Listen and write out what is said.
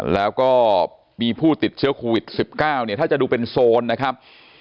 แล้วก็มีผู้ติดเชื้อโควิด๑๙เนี่ยถ้าจะดูเป็นโซนนะครับ